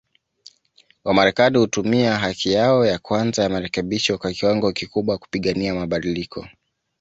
Wamarekani hutumia haki yao ya kwanza ya marekebisho kwa kiwango kikubwa, kupigania mabadiliko.